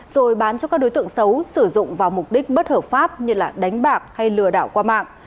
rồi bán cho các đối tượng xấu sử dụng vào mục đích bất hợp pháp như đánh bạc hay lừa đảo qua mạng